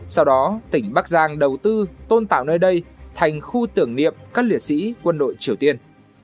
sau đó tỉnh bắc giang đầu tư tôn tạo nơi đây thành khu tưởng niệm các liệt sĩ quân đội triều tiên